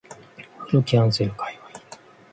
風呂キャンセル界隈